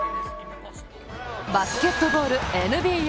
バスケットボール、ＮＢＡ。